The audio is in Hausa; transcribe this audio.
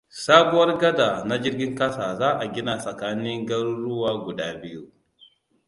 Sabuwar gaɗa na jirgin ƙasa za'a gina tsakanin garuruwa guda biyu.